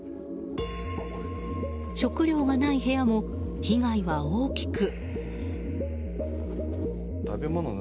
食料がない部屋も被害は大きく。